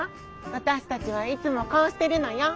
わたしたちはいつもこうしてるのよ。